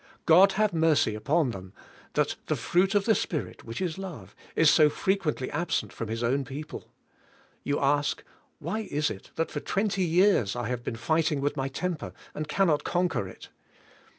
God have mercy upon them, that the fruit of the Spirit, which is love, is so frequently absent from His own people. You ask, "Why is it, that for twenty years I have been fighting with my temper, and can not conquer it?"